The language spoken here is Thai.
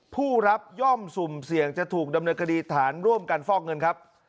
ผู้รับย่อมสุ่มเสี่ยงจะถูกดำเนินคดีฐานร่วมกันฟอกเงินครับ